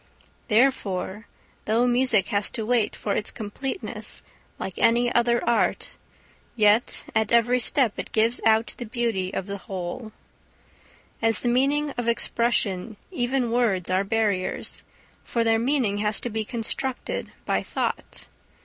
Therefore though music has to wait for its completeness like any other art, yet at every step it gives out the beauty of the whole. As the material of expression even words are barriers, for their meaning has to be constructed by thought.